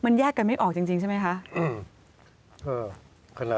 มันแยกกันไม่ออกจริงใช่ไหมคะ